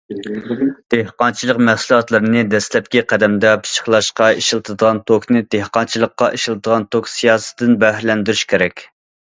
دېھقانچىلىق مەھسۇلاتلىرىنى دەسلەپكى قەدەمدە پىششىقلاشقا ئىشلىتىدىغان توكنى دېھقانچىلىققا ئىشلىتىدىغان توك سىياسىتىدىن بەھرىلەندۈرۈش كېرەك.